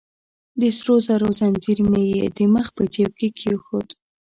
د سرو زرو ځنځیر مې يې د مخ په جیب کې کېښود.